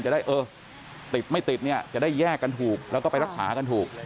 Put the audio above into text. จะได้เออติดไม่ติดเนี่ยจะได้แยกกันถูกแล้วก็ไปรักษากันถูก